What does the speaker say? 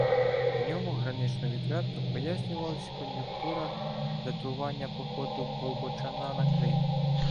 В ньому гранично відверто пояснювалася кон’юнктура датування походу Болбочана на Крим.